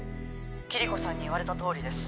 ☎キリコさんに言われたとおりです